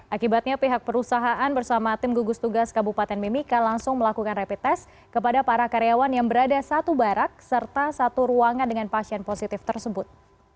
akibatnya pihak perusahaan bersama tim gugus tugas kabupaten mimika langsung melakukan rapid test kepada para karyawan yang berada satu barak serta satu ruangan dengan pasien positif tersebut